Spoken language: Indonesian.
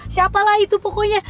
siapa lah itu pokoknya